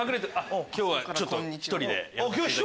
今日はちょっと１人で。